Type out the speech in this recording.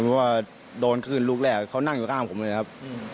เพราะว่าโดนขึ้นลูกแรกเขานั่งอยู่ข้างผมเลยครับ